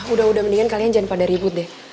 udah udah mendingan kalian jangan pada ribut deh